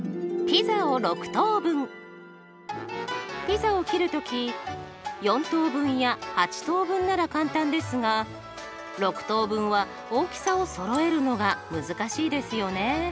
ピザを切る時４等分や８等分なら簡単ですが６等分は大きさをそろえるのが難しいですよね。